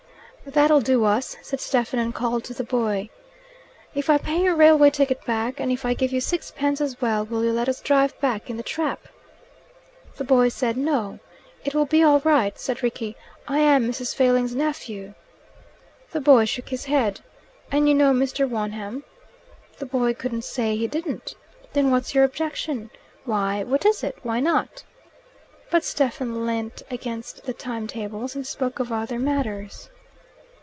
"That'll do us," said Stephen, and called to the boy, "If I pay your railway ticket back, and if I give you sixpence as well, will you let us drive back in the trap?" The boy said no. "It will be all right," said Rickie. "I am Mrs. Failing's nephew." The boy shook his head. "And you know Mr. Wonham?" The boy couldn't say he didn't. "Then what's your objection? Why? What is it? Why not?" But Stephen leant against the time tables and spoke of other matters.